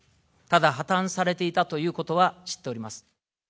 ただ、破綻されていたということは知っております。